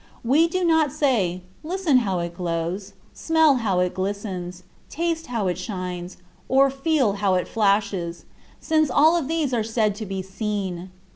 We do not say, "Listen how it glows," "Smell how it glistens," "Taste how it shines," or "Feel how it flashes," since all of these are said to be seen.